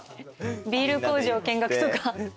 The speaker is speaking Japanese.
ビール工場見学とか。